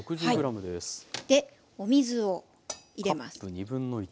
お水を入れます。